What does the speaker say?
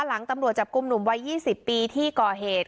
หลังตำรวจจับกลุ่มหนุ่มวัย๒๐ปีที่ก่อเหตุ